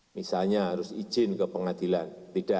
misalnya harus izin dari pihak eksternal untuk melakukan penyadapan